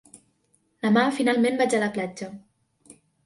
Demà finalment vaig a la platja.